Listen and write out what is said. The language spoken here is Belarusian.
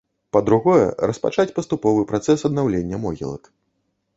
Па-другое, распачаць паступовы працэс аднаўлення могілак.